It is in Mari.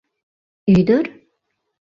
Ӱдыр?»